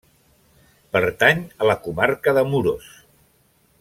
Pertany a la Comarca de Muros.